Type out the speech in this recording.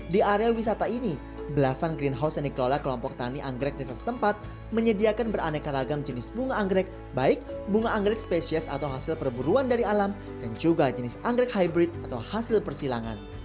di area wisata ini belasan greenhouse yang dikelola kelompok tani anggrek desa setempat menyediakan beraneka ragam jenis bunga anggrek baik bunga anggrek spesies atau hasil perburuan dari alam dan juga jenis anggrek hybrid atau hasil persilangan